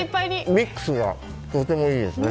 ミックスがとてもいいですね。